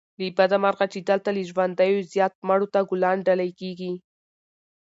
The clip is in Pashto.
له بده مرغه چې دلته له ژوندیو زيات مړو ته ګلان ډالې کېږي